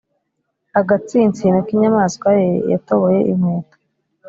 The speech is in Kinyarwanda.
agatsinsino k'inyamaswa ye yatoboye inkweto,